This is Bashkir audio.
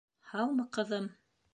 Һаумы, ҡыҙым?